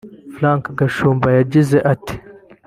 Frank Gashumba yagize ati